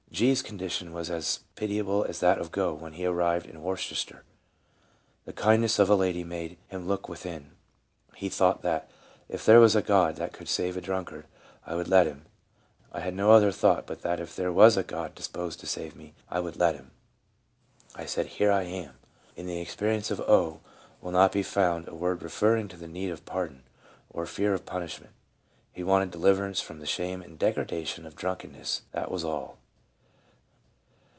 l G.'s condition was as pitiable as that of Gough when he arrived in Worces ter. The kindness of a lady made him look within. He thought that " if there was a God that could save a drunkard, I would let Him." " I had no other thought but that if there was a God disposed to save me, I would let Him. I said, 'Here I am.' " 2 In the experience of O. will not be found a word referring to the need of pardon, or fear of punishment ; he wanted deliverance from the shame and degradation of drunkenness, that was all.